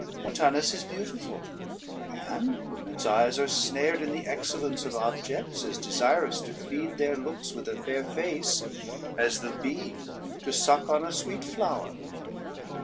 Montanus is beautiful, and women's eyes are snared in the excellence of objects, as desirous to feed their looks with a fair face, as the bee to suck on a sweet flower.